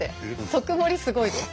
特盛りすごいです。